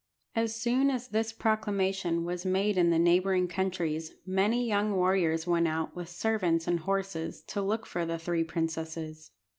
As soon as this proclamation was made in the neighbouring countries many young warriors went out, with servants and horses, to look for the three princesses.